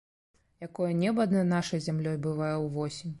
Якое неба над нашай зямлёй бывае ўвосень!